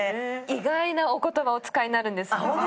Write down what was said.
意外なお言葉をお使いになるんですね。